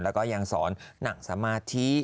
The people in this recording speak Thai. แล้วก็ยังสอนหนังสมาธิ